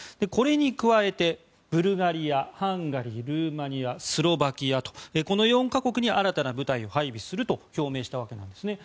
これに加えてブルガリアハンガリー、ルーマニアスロバキアとこの４か国に新たな部隊を配備すると表明したわけです。